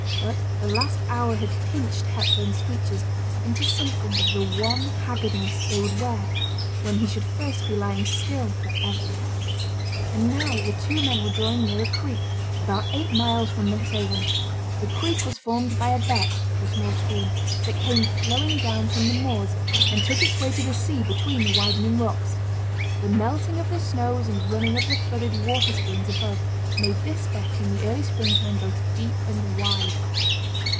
But the last hour had pinched Hepburn's features into something of the wan haggardness they would wear when he should first be lying still for ever. And now the two men were drawing near a creek, about eight miles from Monkshaven. The creek was formed by a beck (or small stream) that came flowing down from the moors, and took its way to the sea between the widening rocks. The melting of the snows and running of the flooded water springs above made this beck in the early spring time both deep and wide.